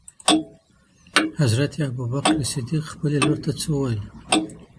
حضرت ابوبکر صديق خپلي لور ته څه وويل؟